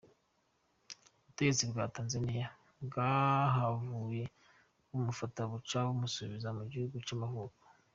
Ubutegetsi bwa Tanzaniya bwahavuye bumufata, buca bumusubiza mu gihugu c'amavuko.